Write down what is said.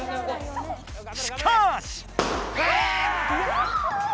しかし！